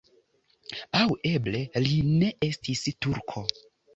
Aŭ eble li ne estis turko.